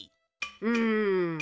うん。